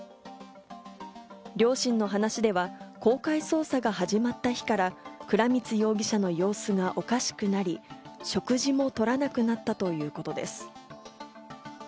両親の話では公開捜査が始まった日から倉光容疑者の様子がおかしくなり、食事も取らなくなったということです。